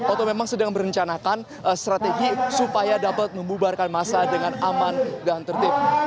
atau memang sedang merencanakan strategi supaya dapat membubarkan masa dengan aman dan tertib